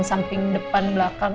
samping depan belakang